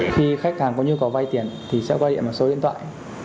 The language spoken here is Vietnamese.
khi khách hàng có nhu cầu vây tiền thì sẽ qua điện vào số điện thoại